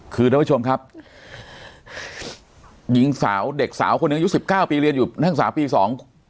คือท่านผู้ชมครับยิงสาวเด็กสาวคนนึง๑๙ปีเรียนอยู่นั่งสามปีสอง